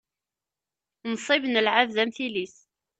Nnṣib n lɛebd, am tili-s.